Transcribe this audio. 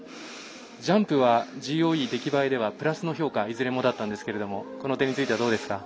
ジャンプはＧＯＥ、出来栄えではプラスの評価いずれもだったんですがこの点についてはどうですか？